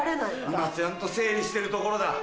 今ちゃんと整理してるところだ。